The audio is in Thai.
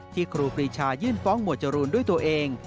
ครูปรีชายื่นฟ้องหมวดจรูนด้วยตัวเอง